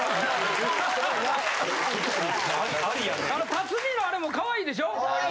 辰兄のあれもかわいいでしょ？